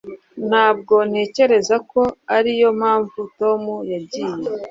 Ntabwo ntekereza ko ariyo mpamvu Tom yagiye